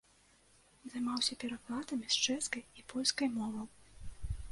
Займаўся перакладамі з чэшскай і польскай моваў.